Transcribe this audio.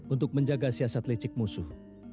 untuk menjaga siasat licik musuh